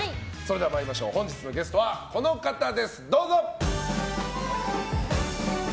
本日のゲストはこの方です！